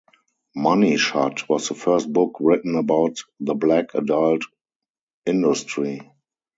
"Money Shot" was the first book written about the black adult industry.